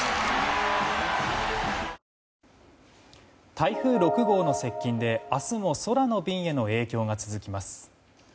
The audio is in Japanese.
台風６号の接近で明日も空の便への影響が続きます。